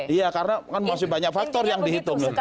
iya karena kan masih banyak faktor yang dihitung